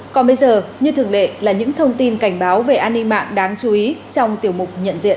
còn bây giờ như thường lệ là những thông tin cảnh báo về an ninh mạng đáng chú ý trong tiểu mục nhận diện